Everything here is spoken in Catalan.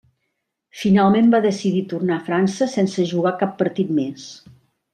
Finalment va decidir tornar a França sense jugar cap partit més.